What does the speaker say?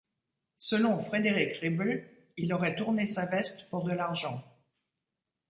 Selon Frederick Ribble, il aurait tourné sa veste pour de l'argent.